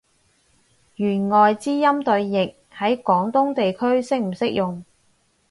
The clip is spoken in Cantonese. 弦外之音對譯，喺廣東地區適唔適用？